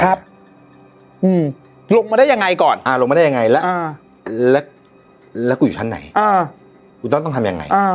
ครับลงมาได้ยังไงก่อนลงมาได้ยังไงแล้วกูอยู่ชั้นไหนกูต้องทำยังไง